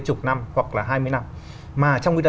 chục năm hoặc là hai mươi năm mà trong khi đó